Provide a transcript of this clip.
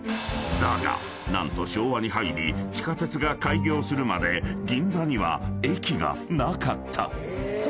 ［だが何と昭和に入り地下鉄が開業するまで銀座には駅がなかった］